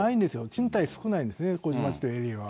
賃貸少ないんですね、麹町エリアは。